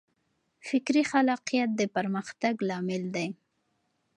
فکري خلاقیت د پرمختګ لامل دی.